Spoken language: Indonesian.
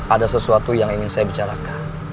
ada sesuatu yang ingin saya bicarakan